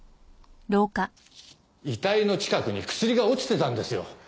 遺体の近くに薬が落ちてたんですよ。